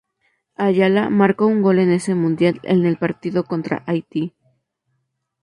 Ayala marcó un gol en ese Mundial en el partido contra Haití.